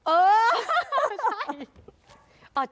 เออใช่